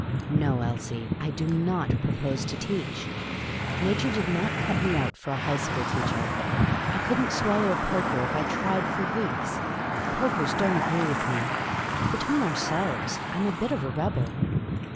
No, Elsie, I do not propose to teach. Nature did not cut me out for a high school teacher. I could n't swallow a poker if I tried for weeks. Pokers don't agree with me. Between ourselves, I am a bit of a rebel."